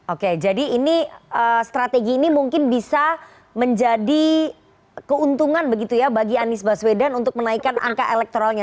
oke jadi ini strategi ini mungkin bisa menjadi keuntungan begitu ya bagi anies baswedan untuk menaikkan angka elektoralnya